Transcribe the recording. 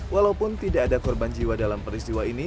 walaupun tidak ada korban jiwa dalam peristiwa ini